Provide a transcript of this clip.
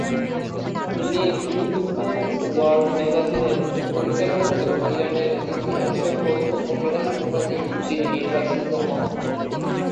তিনি "women's world ম্যাগাজিনের" পরিচালক এবং ইরানের ইতিহাসে প্রথম মহিলা সাংবাদিক যিনি নির্বাসিত হন।